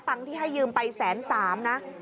ตังค่าที่ยืมไปแสนสามนะ